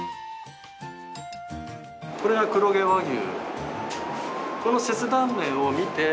これが黒毛和牛。